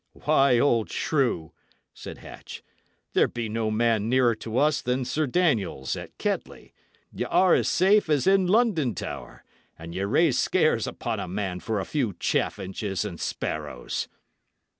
"Why, old shrew," said Hatch, "there be no men nearer us than Sir Daniel's, at Kettley; y' are as safe as in London Tower; and ye raise scares upon a man for a few chaffinches and sparrows!"